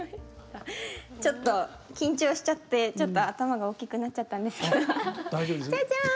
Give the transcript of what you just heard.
ちょっと緊張しちゃってちょっと頭が大きくなっちゃったんですけどジャジャン！